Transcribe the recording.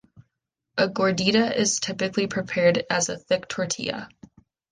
A gordita is typically prepared as a thick tortilla.